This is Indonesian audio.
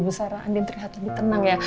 bu sarah andien terlihat lebih tenang ya